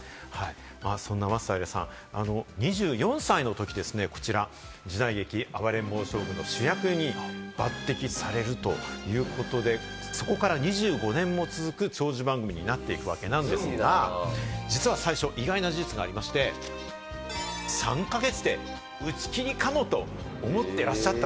そんな松平さん、２４歳のときですね、こちら時代劇『暴れん坊将軍』の主役に抜てきされるということで、そこから２５年も続く長寿番組になっていくわけなんですが、実は最初、意外な事実がありまして、３か月で打ち切りかもと思っていらっしゃった。